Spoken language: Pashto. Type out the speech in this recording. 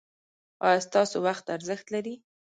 ایا ستاسو وخت ارزښت لري؟